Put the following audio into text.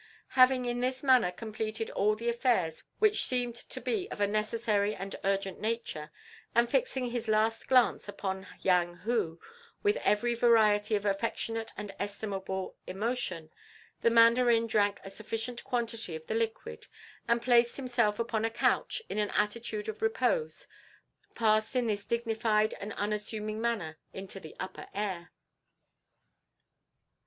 Having in this manner completed all the affairs which seemed to be of a necessary and urgent nature, and fixing his last glance upon Yang Hu with every variety of affectionate and estimable emotion, the Mandarin drank a sufficient quantity of the liquid, and placing himself upon a couch in an attitude of repose, passed in this dignified and unassuming manner into the Upper Air.